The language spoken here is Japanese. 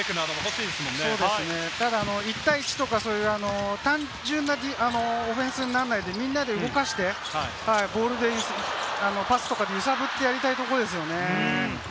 ただ１対１とか、単純なオフェンスにならないで、みんなで動かしてパスとかで揺さぶってやりたいところですよね。